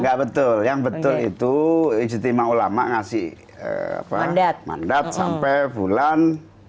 enggak betul yang betul itu ijtima ulama ngasih mandat sampai bulan